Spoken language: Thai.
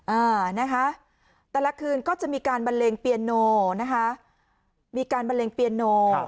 อ่านะคะแต่ละคืนก็จะมีการบันเลงเปียโนนะคะมีการบันเลงเปียโน